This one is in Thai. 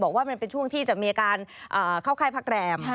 ว่ามันเป็นช่วงที่จะมีอาการเข้าค่ายพักแรม